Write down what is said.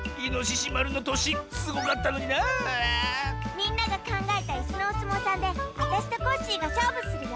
みんながかんがえたイスのおすもうさんであたしとコッシーがしょうぶするよ！